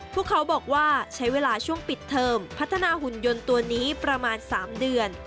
พวกเขาบอกว่าใช้เวลาช่วงปิดเทอมพัฒนาหุ่นยนต์ตัวนี้ประมาณ๓เดือน